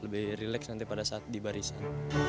lebih relax nanti pada saat di barisan